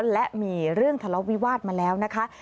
และมีเรื่องทะเลาะวิวาสมาแล้วนะคะ